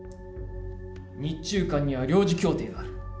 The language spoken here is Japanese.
日中間には領事協定がある。